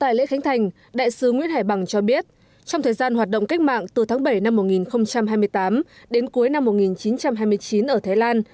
tại lễ khánh thành đại sứ nguyễn hải bằng cho biết trong thời gian hoạt động cách mạng từ tháng bảy năm một nghìn hai mươi tám đến cuối năm một nghìn chín trăm hai mươi chín ở thái lan